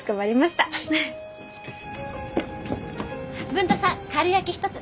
文太さんかるやき一つ。